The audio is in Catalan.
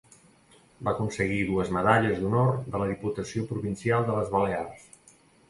Va aconseguir dues medalles d'honor de la Diputació Provincial de les Balears.